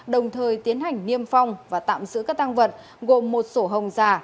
đồng thời tiến hành niêm phong và tạm giữ các tăng vật gồm một sổ hồng già